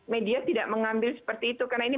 media tidak mengambil seperti itu karena ini